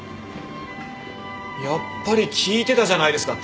やっぱり聞いてたじゃないですか。